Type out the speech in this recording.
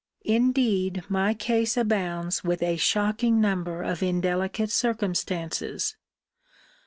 Indeed my case abounds with a shocking number of indelicate circumstances.